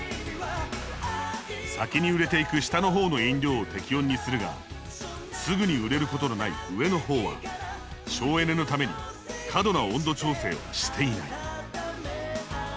先に売れていく下の方の飲料を適温にするがすぐに売れることのない上の方は省エネのために過度な温度調整をしていない。